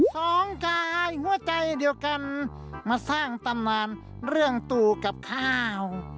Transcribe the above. สองกายหัวใจเดียวกันมาสร้างตำนานเรื่องตู้กับข้าว